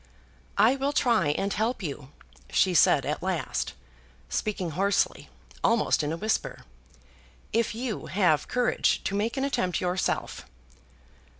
"I will try and help you," she said at last, speaking hoarsely, almost in a whisper, "if you have courage to make an attempt yourself."